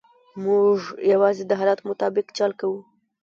موږ یوازې د حالت مطابق چل کوو.